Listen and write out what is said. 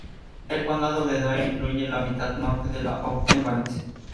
El Condado de Dare incluye la mitad norte de la Outer Banks.